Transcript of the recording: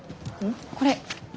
これ。